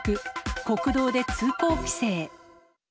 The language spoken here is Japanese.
国道で通行規制。